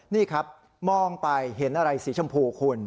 นี่ครับมองไปเห็นอะไรสีชมพูคุณ